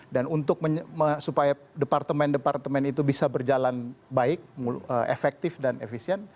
dan supaya departemen departemen itu bisa bekerja baik efektif dan efisien